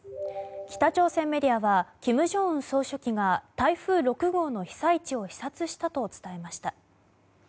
北朝鮮メディアは金正恩総書記が台風６号の被災地を視察したと伝えました。